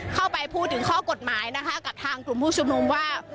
เข้าไปพูดถึงข้อกฎหมายนะคะกับทางกลุ่มผู้ชุมนุมว่า